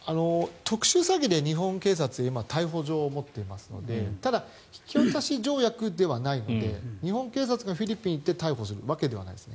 特殊詐欺で今、日本警察は逮捕状を持っていますのでただ、引渡し条約ではないので日本警察がフィリピンに行って逮捕するわけではないですね。